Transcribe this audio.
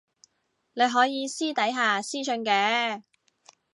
你可以私底下私訊嘅